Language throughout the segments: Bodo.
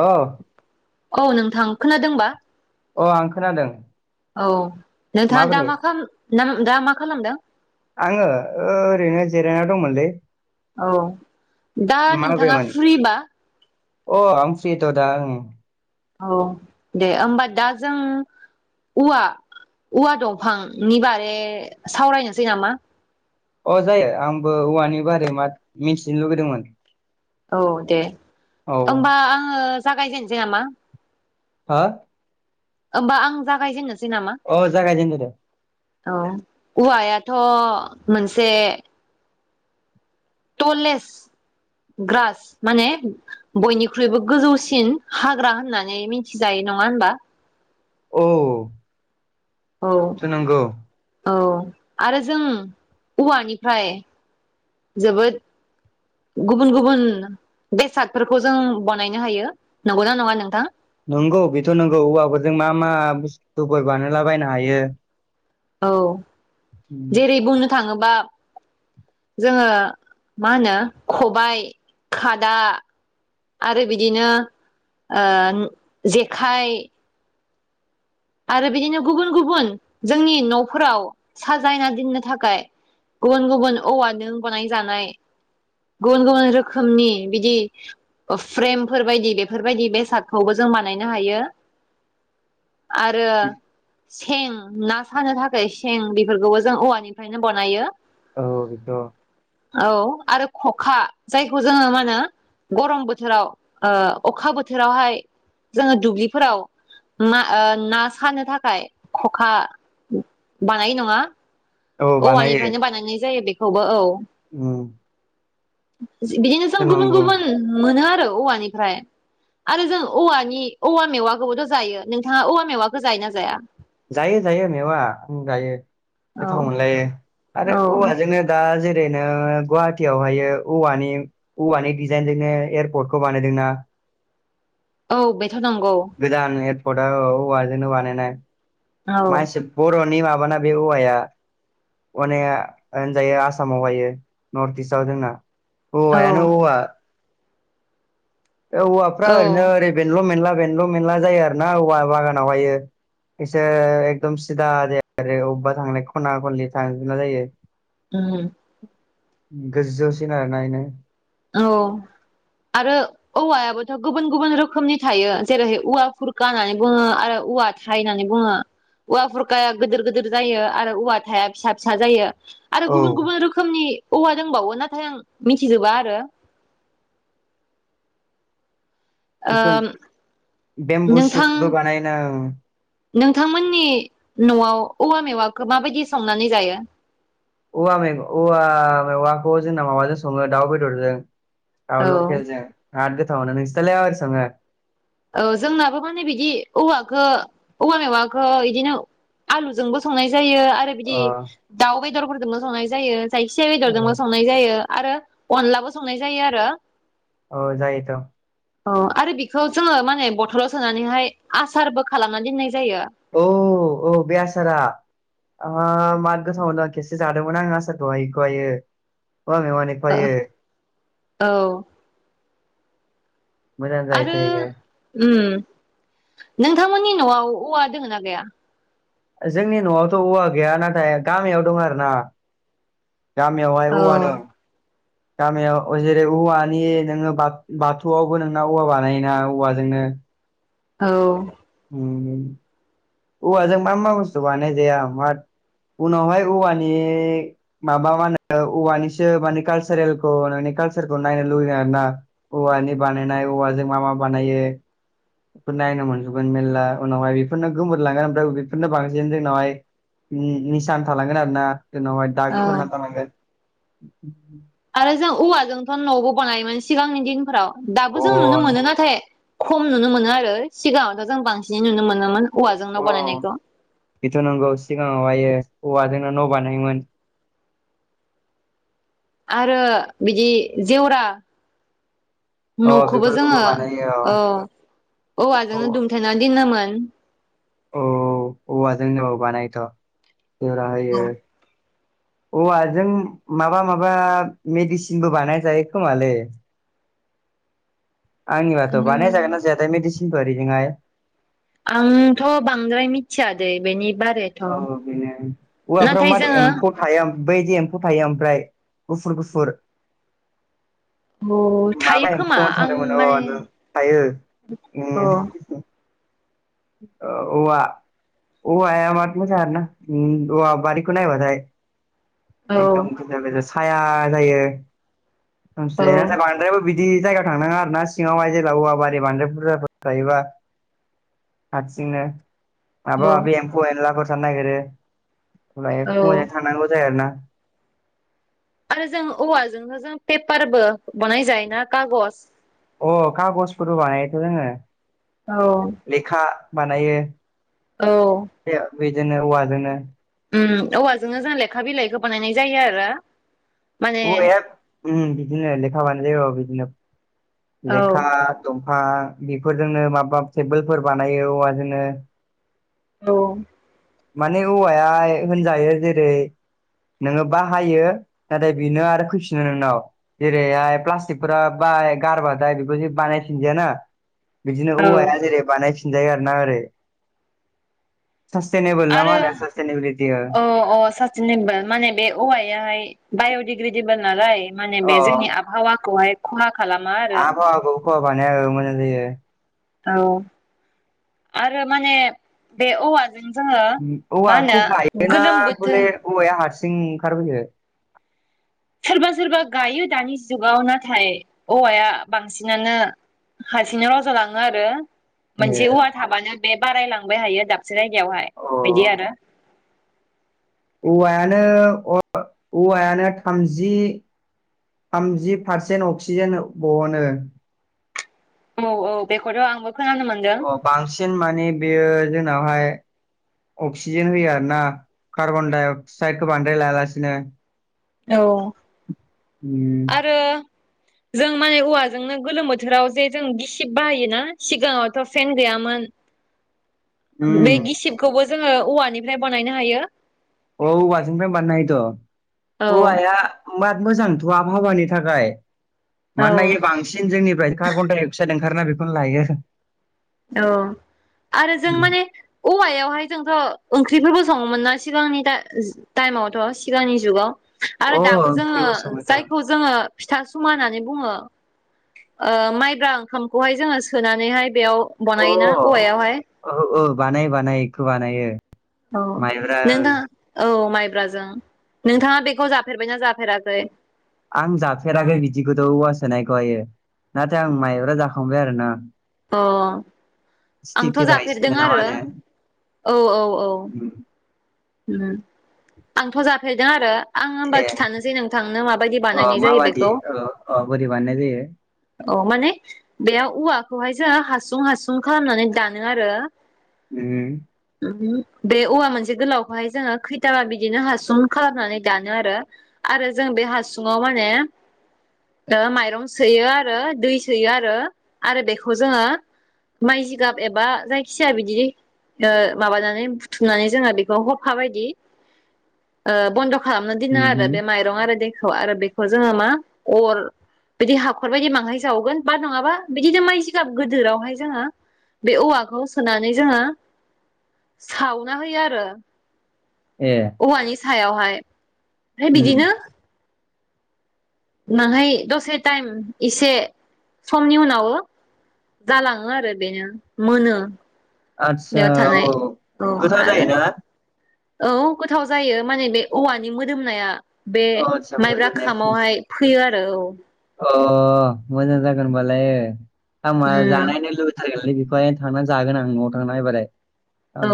अ औ नोंथां खोनादोंबा अ आं खोनादों औ नोंथाङा दा माबोरै मा दा मा खालामदों आङो ओरैनो जिरायना दंमोनलै औ दा नोंथाङा माबोरैमोन फ्रिबा अ आं फ्रिथ' दा औ दे होमबा दा जों औवा औवा दंफांनि बारै सावरायनोसै नामा अ जायो आंबो औवानि बारै मा मिथिनो लुगैदोंमोन औ दे औ हबा आङो जागायजेनसै नामा हा होमबा आं जागायजेननोसै नामा अ जागाय जेनदो दे औ औवायाथ' मोनसे टलेस ग्रास माने बयनिख्रुइबो गोजौसिन हाग्रा होननानै मिथिजायो नङा होनबा औ औ नोंगौ। औ आरो जों औवानिफ्राय जोबोद गुबुन गुबुन बेसादफोरखौ जों बानायनो हायो नंगौना नङा नोंथां? नंगौ बेथ' नंगौ औवाफोरजों मा मा बुस्थुफोर बानला बनो हायो। औ जेरै बुंनो थाङोबा जोङो मा होनो खबायाइ खादा आरो बिदिनो ओ जेखाइ आरो बिदिनो गुबुन गुबुन जोंनि न'फोराव साजायना दोननो थाखाय गुबुन गुबुन औवाजों गनायजानाय गुबुन गुबुन रोखोमनि बिदि फ्रेमफोर बायदि बेफोरबायदि बेसादखौबो जों बानायनो हायो आरो सें ना सानो थाखाय सें बेफोरखौबो जों औवानिफ्रायनो बानायो। औ बिद' औ आरो खखा जायखौ जोङो मा होनो गरम बोथोराव अखा बोथोरावहाय जोङो दुब्लिफोराव मा ना सानो थाखाय खखा बानाय नङा औ औवानिफ्रायनो बानायनाय जायो बेखौबो औ। औ बिदिनो जों गुबुन गुबुन मोनो आरो औवानिफ्राय आरो जों औवानि औवा मेवाखौबोथ' जायो नोंथाङा औवा मेवाखौ जाय ना जाया? जायो जायो मेवा जायो औ गोथाव मोनलायो औ आरो औवाजोंनो दा जेरैनो गुवाहाटियावहायो औवा-औवानि डिजाइनजोंनो एयारपर्टखौ बानायदों न दा [unintelligible] औ बेथ' नंगौ। खदा औ औवाजोंनो बानायनाय औ मासि बर'नि माबाना बे औवाया। अनेक होनजायो आसामावहायो नर्थ इस्टआव जोंना। औ औवायानो औवा। औवाफ्रा औ ओरैनो ओरै बेनल' मेनला बेनल' मेनला जायो आरो ना औवा बागानावहायो इसोर एकदम सिदा आरो अबेबा थांनाय खना खनलि थांजोना जायो। उम गोजौसिन आरोना एनो औ आरो औवायाबोथ' गुबुन गुबुन रोखोमनि थायो जेरै औवा खुरखा होननानै बुङो आरो औवा थाइ होननानै बुङो औवाबुरखाया गोदिर- गोदिर जायो आरो औवा थाया फिसा-फिसा जायो। आरो औ गुबुन-गुबुन रोखोमनि औवा दंबावो नाथाय आं मिथिजोबा आरो। ओ बेथुन नोंथां बेम्बुसुदबो बानायनो। नोंथांमोननि न'आव औवा मेवाखौ माबायदि संनानै जायो? औवा मेग-औवा मेवाखौ जोंना माबाजों सङो दाउ बेदरजों। औ थाव लकेलजों आर गोथाव मोनो नोंसिनालाय माबादि सङो? औ जोंनाबो माने बिदि औवाखो औवा मेवाखो बिदिनो आलुजोंबो संनाय जायो आरो बिदि अ दाउ बेदरफोरजोंबो संनाय जायो जायखियााया बेदरजोंबो संनाय जायो आरो अनदलाबो संनाय जायो आरो। अ जायोथ'। औ आरो बेखौ जोङो माने बथलाव सोनानैहाय आसारबो खालामनानै दोननाय जायो औ-औ बे आसारा? ओ मार गोथावावनो खेसो जादोंमोन आं आसारखौ हायखौहायो अवा मेवानिखाहायो। औ आरो इयो उम नोंथांमोननि न'आव औवा दोङो ना गैया जोंनि न'आवथ' औवा गैया नाथाय गामियाव दं आरो ना गामियावहाय औ औवा दं गामियाव जेरै औवानि नोङो बा -बाथौआवबो नोंना औवा बानायोना औवाजों नो औ औवाजों मा -मा बुस्थु बानाय जाया मा उनावहाय औवानि माबा मा होनो औवानिसो माने कालसारेलखौ नोंनि कालसारखौ नायनो लुुबैयो आरोना औवानि बानायनाय औवाजों मा मा बानायो बेफोर नायनो मोनजोबगोन मेरला उनावहाय बेफोरनो गोमोरलांगोन ओमफ्राय बेफोरनो बांसिन जोंनावहाय उम-निसान थालांगोन आरो ना जोंनावहाय दाग औ होना थालांगोन आरो जों औवाजोंथ' न'बो बानायोमोन सिगांनि दिनफोराव दाबो जों नुनो अन मोनो नाथाय खम नुनो मोनो आरो सिगाङावथ' जों बांसिनै नुनो मोनोमोन। औवाजों न' अ बानायनायखौ बेथ' नंगौ सिगाङावहायो औवाजोंनो न' बानायोमोन। आरो बिदि जेवरा अ न'खौबो बेफोरखौबो जोङो बानायो अ औ औवाजोंनो दुमथायनानै दोनोमोन। [inaudible] औ -औ औवाजोन बानायोथ' दुरा होयो औवाजों माबा -माबा मेडिसिनबो बानाय जायो खोमालै आंनि बाथ' उम बानाय जागोन ना जायाथाय मेडिसिनफोर एजोंहाय आंथ' बांद्राय मिथियादे बेनि बारैथ' औ बेनो औवाफ्रा नाथाय मार जोङो एम्फौ थाया बैदि एम्फौ थायो ओमफ्राय गुफुर-गुफुर औ थायो माबा खोमा एम्फौ आं ओथादोंमोन अ माने नों थायो औ उम औवा औवाया माद मोजां आरो ना औवा बारिखौ नायबाथाय औ एकदम गोेजा गोजा साया जायो औ जिराना बांद्राय बिदि बिदि जायगायाव थांनाङा आरो ना सिङावहाय जेब्ला औवा बारि बानद्राय बुरजाफोर थायोबा हारसिंनो औ माबा माबि एम्फौ एनलाफोर थानो नागिरो फ्राय औ फुङावहाय थांनांगौ जायो आरो ना आरो जों औवाजोंनो जों पेपारबो बनाय जायो ना खागज अ खागजफोरबो बानायोथ' जोङो औ लेखा बानायो औ बेजोंनो औवाजोंनो उम औवाजोंनो जों लेखा बिलाइखौ बानायनाय जायो आरो माने औवा ओम बिदिनो लेखा बानाय जायो औ बिदिनो औ लेखा औ हा बेफोरजोंनो माबा टेबोलफोर बानायो औवाजोंनो औ माने औवाया होनजायो जेरै - नोङो बाहायो नाथाय बेनो आरो फैफिनो नोंनाव जेरैहाय प्लास्टिकफोरा बा फाय गारबाथाय बेखौदि बानायफिनजाया ना बिदिनो औवाया जेरै बानायफिनजायो आरो ना ओरै सासटेनेबोल ना मा आरो होनो सासटेनेबिलिटि अ अ साथिनिबो माने बे औवायाहाय बाय'डिग्रेडेबोल नालाय माने बे जोंनि आबहावाखौहाय खहा खालामा आरो आबहावाखौ खहा बानाया ओ मोजां जायो। औ आरो माने बे औवा औवाखौ गायोना गोलोम बोथोर बले औवाया हार सिं ओंखारबोयो सोरबा सोरबा गायो दानि जुगाव नाथाय औवाया बांसिनानो हारसिंनो रज' लाङो आरो ए मोनसे औवा अ थाबानो बे बारायलांबाय हायो दाबसे जायगायावहाय बिदि आरो औवायानो औवायानो थामजि थामजि पारसेन्ट अक्सिजेन बहनो औ-औ बेखौथ' आंबो खोनानो मोनदों अ बांसिन माने बेयो जोंनावहाय अक्सिजेन होयो आरो ना कार्बन डाइ अक्साइदखौ बांद्राय लागासिनो औ उम आरो जों माने औवाजोंनो गोलोम बोथोराव जे जों गिसिब बाहायोना सिगाङावथ' फेन गैयामोन बे उम गिसिबखौबो जोङो औवानिफ्राय बनायनो हायो औ औवाजोंफ्राय बानाय औ हायोथ' औवाया माद मोजांथ' आबहावानि थाखाय औ मानोना यो बांसिन जोंनिफ्राय कार्बन-डाइ-अक्साइड ओं ओंखारोना बेखौनो लायो औ आरो जों माने औवायावहाय जोंथ'ओं ओंख्रिफोरखौ सङोमोन ना सिगांनि टाइ टाइमावथ' सिगांनि जुगाव आरो अ दाबो जोङो ओंख्रिबो सङो थ' अ जायखौ जोङो फिथा सुमा होननानै बुङो माइब्रा ओंखामखौहाय जोङो सोनानैहाय बेयाव बनायोना औवायावहाय बानोयो बानायो बेखौ बानायो औ माइब्रा नों दा औ माइ ब्राजों नोंथाङा बेखौ जाफेरबायना जाफेराखै आं जाफेराखै बिदिखौथ' औवा सोनायखौहायो नाथाय आं माइब्रा जाखांबाय आरोना अ आंथ राइस जाफेरदों ना मा आरो होनो औ-औ उम आंथ' जाफेरदों आरो आं होमबा ए खिथानोसै नोंथांनो माबायदि अ बानायनाय जायो माबादि बेखौ। अ अ बोरै बानायनाय जायो औ माने बेयाव औवाखौहाय जोंङ हासुं हासुं खालामनानै दानो आरो नोंङो बे औवा मोनसे गोलाव बेहाय जोंङो खैथाबा बिदिनो हासुम खालामनानै दानो आरो-आरो जों बे हासुुंङाव माने [inaudible] ओ माइरं सोयो आरो दै सोयो आरो आरो बेखौ जोङो माइ जिगाब एबा जायखिाया बिदि ओ माबानानै बुथुमनानै जोंहा बेखौ ह हा बायदि ओ बन्द' खालामना दोनो नांङा उमहो आरो बे माइरं आरो दै आरो बेखौ जोङो मा अर बिदि हाखर बायदि बाहाय जावगोन बा नङाबा बिदिनो माइ जिगाब गोदोरावहाय जोङो बे औवाखौ सोनानै जोंङो सावना होयो आरो ए औवानि सायावहाय है उम बिदिनो नाहाय दसे टाइम इसे समनि उनाव जालाङो आरो बेनो मोनो आदसा बेयाव औ थानाय औ गोथाव आरो जायोना औ गोथाव जायो माने बे औवानि मोदोमनाया बे अ आदसा माइब्रा मोदोमनाया खामावहाय फैयो आरो औ ओ मोजां जागोन होनबालाय खामा उम जानायनो लुबैथारगोन आलि बिखौहायनो थांनानै जागोन आं न'आव थांनानै एबारहाय औ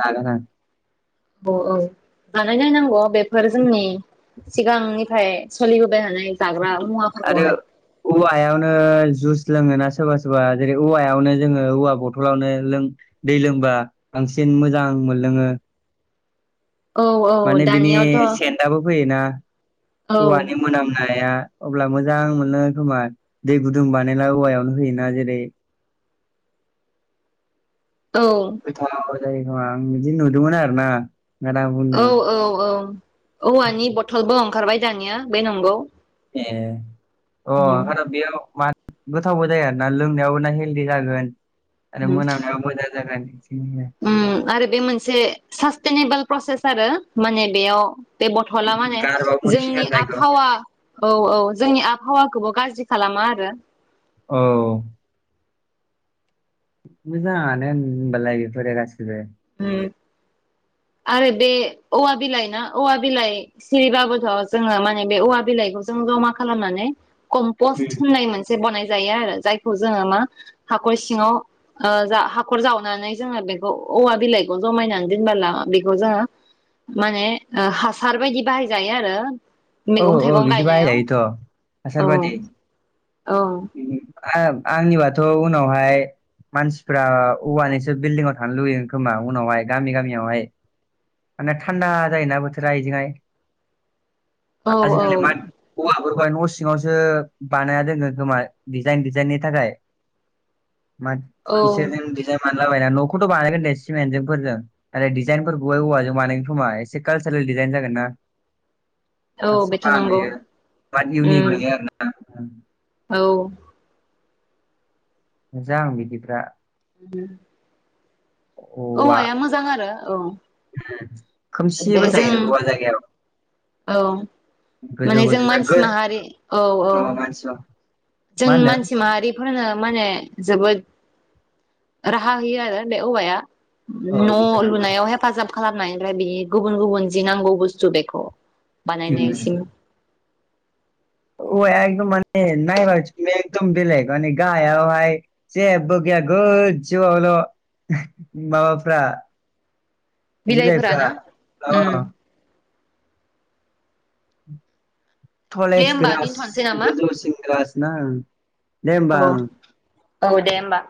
जागोन आं। औ-औ बानायनायनांगौ बेफोर जोंनि सिगांनिफ्राय सोलिबो आरो औवायावनो जुस लोङोना सोरबा सोरबा जेरै- औवायावनो जोंङो औवा बथलावनो लों दै लोंबा बांसिन मोजां। मोनलोंङो। औ औ माने बिनि दानियावथ' औ सेन्दाबो फैयोना औवानि मोनामनाय। या अब्ला मोजां मोनलोंङो खोमा दै गुदुं बानायला औवायावनो होयोना जेरै औ। जायोखामा आं बिदि नुदोंमोन आर ना। ओंखायनो आं बुंदों औ-औ-औ औवानि ए बथलबो ओंखारबाय दानिया बे नंगौ। ए अ आरो बेयाव मा गोथावबो जाया आरोना लोंनायाव ना हेलदि जागोन आरो मोनामनायावबो मोजां जागोन। उम आरो बे मोनसे सासटेनेबोल प्रसेस आरो माने बेयाव बे बथला माने गारबाबो जोंनि मोनसिगोन जायखौ आबहावा औ-औ जोंनि आब हावाखौबो गाज्रि खालामा आरो। औ। मोजांङानो होन-होनबालाय बेफोरो गासिबो। उम। आरो बे औवा बिलाइ ना औवा बिलाइ सिरिबाबोथ' जोंङो माने बे औवा बिलाइखौ। जों जमा खालामनानै कम्पस होननाय मोन से बनाय जायो आरो जायखौ जोंङो मा हाखर सिङाव ओ जा हाखर जावनानै जोङो बेखौ औवा बिलाइखौ जमायनानै दोनबोला बेखौ जोङो माने ओ हासार बायदि बाहायजायो आरो। मैगं औ-औ थाइगं बिदि बाहाय गायनायाव जायोथ' हासार औ बादि। औ आब आंनिबाथ' उनावहाय मानसिफ्रा औवानिसो बिल्दिङाव थानो लुबैगोन खोमा उनावहाय गामि गामियावहाय। माने थान्दा जायोना बोथोरा एजोंहाय। औ औ आजिखालि मा [inaudible] [unintelligible] न' सिङावसो बानाया दोनङो खोमा डिजाइन डिजाइननि थाखाय। मा औ इसोरजो [unintelligible] मा लाबायना न'खौथ' बानायगोन दे सिमेन्टजोंफोरजों नाथाय डजाइनफोर गुबाय औवाजों बानायगोन खोमा एसे कालसारेल दि जायन जागोन ना। [unintelligible] बेथ' साफा नंगौ नुयो बा इउनिक उम नुयो आरो ना। औ। मोजां बिदिफ्रा। उम। औवा औवाया मोजां आरो औ। बे खोमसिबो जों जायो औवा जायगायाव। औ गोजौ माने जों गोजोन मानसि माहारि औ [unintelligible] मानसि जों मानसि माहारिफोरनो माने जोबोद राहा होयो आरो बे हवाया औ न' बिथांमोनबो लुनायाव हेफाजाब। खालामनायनिफ्राय बिनि गुबुन-गुबुन जि नांगौ बुस्थु बेखौ बानायनायसिम। औवा एदम माने नाय एदम बेलेग माने गाहायावहाय जेबो गो या गोजौआवल' माबाफ्रा बिलाइफ्रा बिलाइफोरानो उम अ'। दे थलेस होमबा ग्रास दोनथ'नोसै नामा गजरसि ग्रास ना। दे होमबा ओं औ-औ दे होमबा।